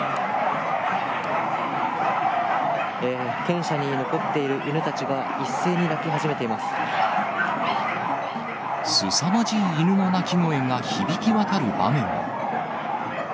犬舎に残っている犬たちが一すさまじい犬の鳴き声が響き渡る場面も。